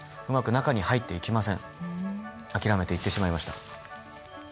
諦めて行ってしまいました。